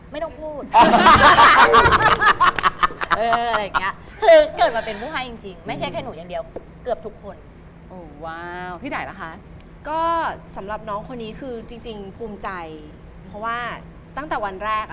เรื่องมูเมื่อกี้ได้เห็นทำหน้าแบบ